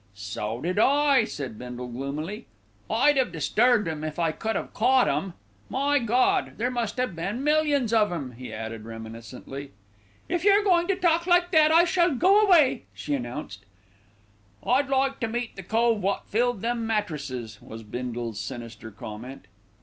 "So did I," said Bindle gloomily. "I'd 'ave disturbed 'em if I could 'ave caught 'em. My God! There must 'ave been millions of 'em," he added reminiscently. "If you're going to talk like that, I shall go away," she announced. "I'd like to meet the cove wot filled them mattresses," was Bindle's sinister comment.